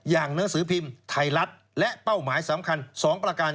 หนังสือพิมพ์ไทยรัฐและเป้าหมายสำคัญ๒ประการ